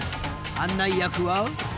案内役は。